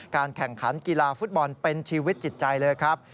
แข่งขันกีฬาฟุตบอลเป็นชีวิตจิตใจเลยครับ